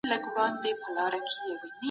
اقتصادي پلان جوړونه د هېوادونو پرمختګ چټکوي.